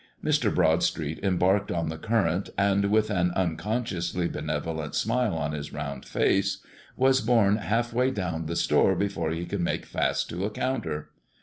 Mr. Broadstreet embarked on the current, and with an unconsciously benevolent smile on his round face was borne half way down the store before he could make fast to a counter.